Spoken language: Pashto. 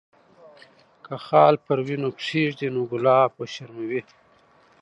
که خال پر وینو کښېږدي، نو ګلاب وشرموي.